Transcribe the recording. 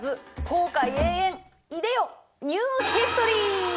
後悔永遠いでよニューヒストリー！